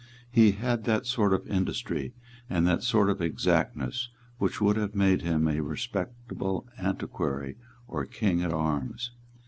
He had that sort of industry and that sort of exactness which would have made him a respectable antiquary or King at Arms.